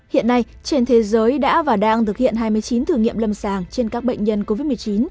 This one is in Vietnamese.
hiện nay trên thế giới đã và đang thực hiện hai mươi chín thử nghiệm lâm sàng trên các bệnh nhân covid một mươi chín